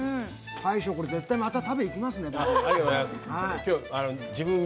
大将、これ絶対また食べにいきますね。